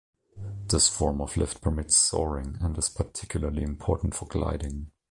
This form of lift permits soaring and is particularly important for gliding.